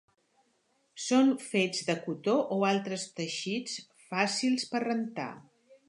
Són fets de cotó o altres teixits fàcils per rentar.